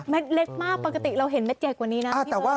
เม็ดเล็กมากปกติเราเห็นเม็ดใหญ่กว่านี้นะ